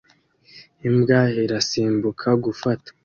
Imbwa irasimbuka gufata